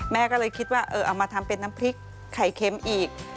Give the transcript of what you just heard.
แม่ก็เลยคิดว่าเอามาทำเป็นน้ำพริกไข่เค็มอีก